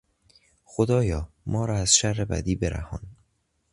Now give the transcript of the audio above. خدایا - ما را از شر بدی برهان.